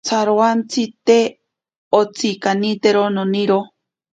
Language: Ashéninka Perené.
Tsarowantsi te ontsikanitero noniro.